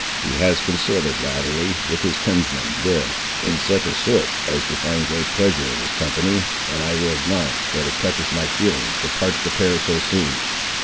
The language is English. He has consorted latterly with his kinsman, there, in such a sort as to find great pleasure in his company, and I will acknowledge that it touches my feelings to part the pair so soon.